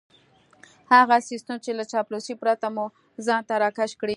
هغه سيستم چې له چاپلوسۍ پرته مو ځان ته راکش کړي.